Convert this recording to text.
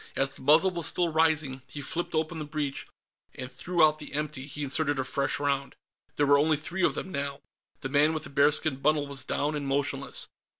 As the muzzle was still rising, he flipped open the breech, and threw out the empty. He inserted a fresh round. There were only three of them, now. The man with the bearskin bundle was down and motionless.